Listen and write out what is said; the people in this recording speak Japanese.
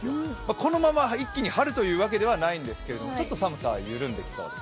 このまま一気に春というわけではないんですけど、ちょっと寒さは緩んできそうです。